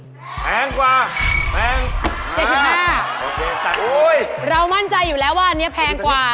แพงกว่าแพงเจ็ดสิบห้าโอเคแต่โอ้ยเรามั่นใจอยู่แล้วว่าอันนี้แพงกว่า